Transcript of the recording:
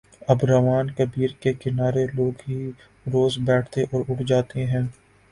آب روان کبیرکے کنارے لوگ ہر روز بیٹھتے اور اٹھ جاتے ہیں۔